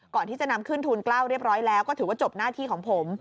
ก่อนที่จะนำขึ้นทูล๙เรียบร้อยแล้วก็ถือว่าจบหน้าที่ของผม